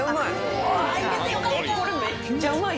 めっちゃうまい。